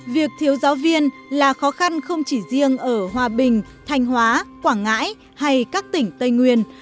việc thiếu giáo viên là khó khăn không chỉ riêng ở hòa bình thanh hóa quảng ngãi hay các tỉnh tây nguyên